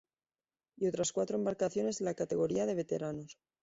Y otras cuatro embarcaciones en la categoría de veteranos.